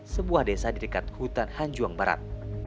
sebuah desa di dekat hutan hanjuang barat